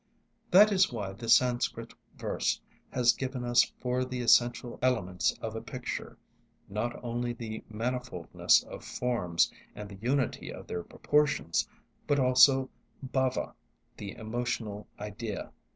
That is why the Sanskrit verse has given us for the essential elements of a picture, not only the manifoldness of forms and the unity of their proportions, but also bhávah, the emotional idea.